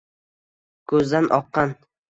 Ko’zdan oqqan